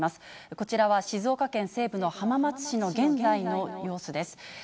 こちらは静岡県西部の浜松市の現在の様子です。